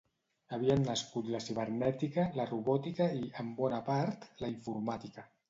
Havien nascut la cibernètica, la robòtica i, en bona part, la informàtica.